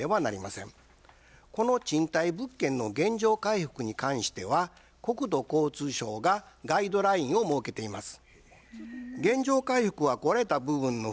この賃貸物件の原状回復に関しては国土交通省がガイドラインを設けています。